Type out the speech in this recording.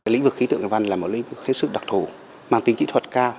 lĩnh vực khí tượng thủy văn là một lĩnh vực hết sức đặc thủ